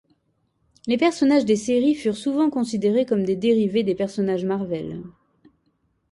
Les personnages des séries furent souvent considérés comme des dérivés des personnages Marvel.